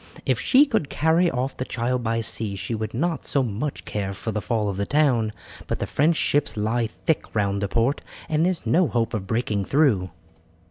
If she could carry off the child by sea she would not so much care for the fall of the town, but the French ships lie thick round the port, and there is no hope of breaking through."